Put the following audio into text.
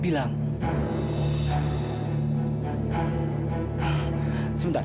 dia orangnya sudah rio